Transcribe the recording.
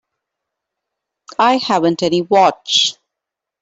I haven't any watch.